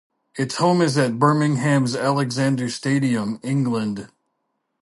Its home is at Birmingham's Alexander Stadium, England.